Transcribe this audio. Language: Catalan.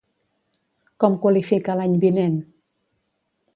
Com qualifica l'any vinent?